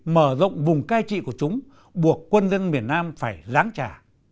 mở rộng vùng cai trị của chúng buộc quân dân miền nam phải ráng trả